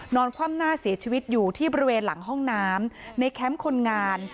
คว่ำหน้าเสียชีวิตอยู่ที่บริเวณหลังห้องน้ำในแคมป์คนงาน